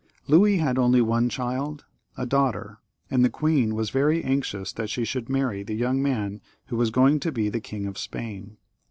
Louis had only one child, a daughter, and the queen was very anxious that she should marry the young man who was going to be King of Spain.